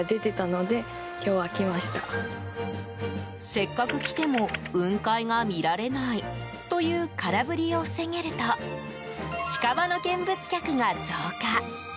せっかく来ても雲海が見られないという空振りを防げると近場の見物客が増加。